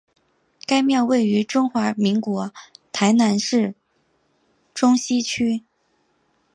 该庙位于中华民国台南市中西区。